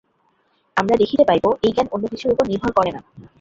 আমরা দেখিতে পাইব, এই জ্ঞান অন্য কিছুর উপর নির্ভর করে না।